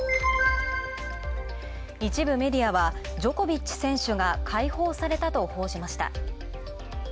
一部メディアはジョコビッチ選手が解放されたと報じました。